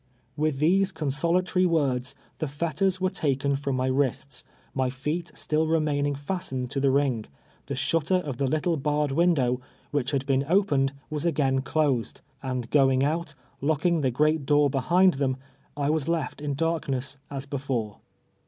AVith these consolatory words, the fetters were taken from my •wrists, my feet still remaining fastened to the ring; the shutter of the little Ijarred window, which had heen opened, was again closed, and going out, lock ing the grL at door behind them, I was left in dark ness as l)efore.